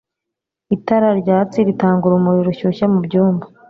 itara ryatsi ritanga urumuri rushyushye mubyumba